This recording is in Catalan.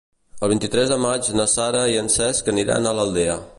El vint-i-tres de maig na Sara i en Cesc aniran a l'Aldea.